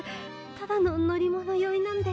ただの乗り物酔いなんで。